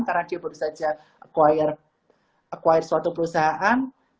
karena dia baru saja acquire suatu perusahaan